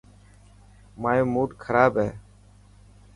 مايو موڊ کراب هي.